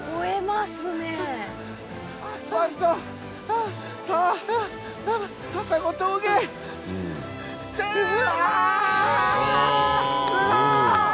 すごい！